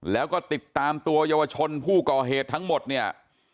แล้วก็ติดตามตัวเยาวชนผู้ก่อเหตุทั้งหมดเนี่ย